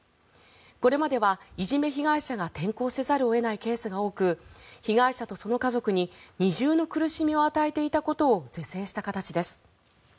これまでは、いじめ被害者が転校せざるを得ないケースが多く被害者とその家族に二重の苦しみを与えていたことを是正した形です。